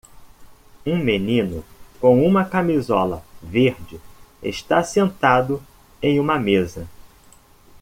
Um menino com uma camisola verde está sentado em uma mesa.